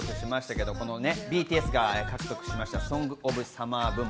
ＢＴＳが獲得したソング・オブ・サマー部門。